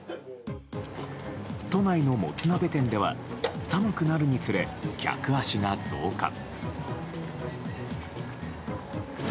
都内のもつ鍋店では寒くなるにつれ、客足が増加。